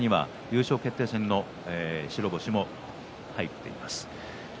１０勝の中には優勝決定戦の白星も入っています。